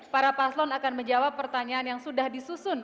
para paslon akan menjawab pertanyaan yang sudah disusun